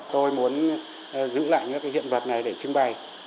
tôi muốn giữ lại những hiện vật này để trưng bày